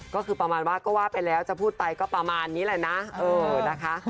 ก็คือประมาณว่าก็ว่าไปแล้วก็จะพูดไปก็นี้แหละนะ